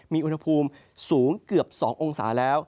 มีอุณหภูมิสูงเกือบ๒องศาแล้ว